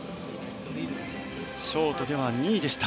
ショートでは２位でした。